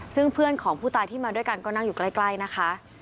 ซึ่งเพื่อนของผู้ตายที่มาด้วยกันก็นั่งอยู่ใกล้นะคะ